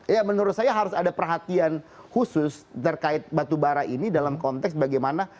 ya menurut saya harus ada perhatian khusus terkait batubara ini dalam konteks bagaimana